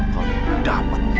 kau ini dapet